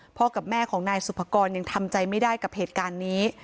กับแม่ของนายสุภกรยังทำใจไม่ได้กับเหตุการณ์นี้